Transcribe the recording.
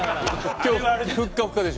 今日ふっかふかです。